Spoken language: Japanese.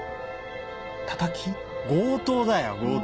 強盗だよ強盗。